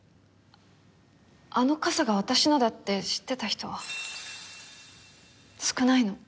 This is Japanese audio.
あの傘が私のだって知ってた人は少ないの。